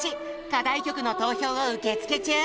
課題曲の投票を受付中。